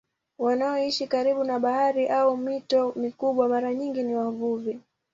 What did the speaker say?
Wanaoishi karibu na bahari au mito mikubwa mara nyingi ni wavuvi.